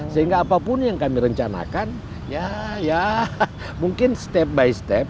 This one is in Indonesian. sehingga apapun yang kami rencanakan ya mungkin step by step